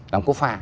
làm cốt pha